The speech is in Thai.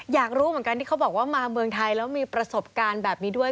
อยากรู้เหมือนกันที่เขาบอกว่ามาเมืองไทยแล้วมีประสบการณ์แบบนี้ด้วย